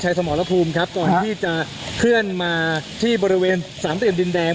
สมรภูมิครับก่อนที่จะเคลื่อนมาที่บริเวณสามเหลี่ยมดินแดง